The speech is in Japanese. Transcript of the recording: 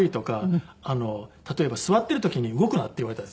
例えば座ってる時に動くなって言われたりですね。